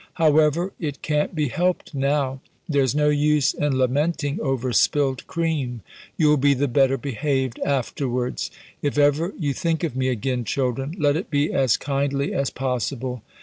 However, it can't be helped now! There's no use in lamenting over spilt cream. You'll be the better behaved afterwards. If ever you think of me again, children, let it be as kindly as possible.